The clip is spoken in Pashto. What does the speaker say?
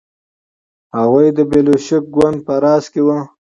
هغوی د بلشویک ګوند په راس کې وو.